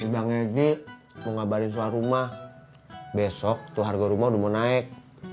bang egy mau ngabarin soal rumah besok tuh harga rumah udah mau naik